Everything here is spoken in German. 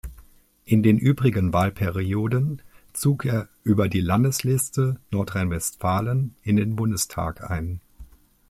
In den übrigen Wahlperioden zog er über die Landesliste Nordrhein-Westfalen in den Bundestag ein.